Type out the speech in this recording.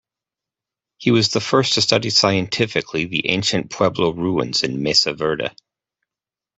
He was the first to study scientifically the ancient Pueblo ruins in Mesa Verde.